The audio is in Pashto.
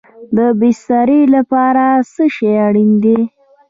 د بسترې لپاره څه شی اړین دی؟